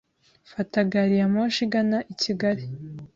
Fata gari ya moshi igana i kigali.